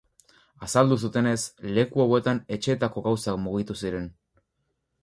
Azaldu zutenez, leku hauetan etxeetako gauzak mugitu ziren.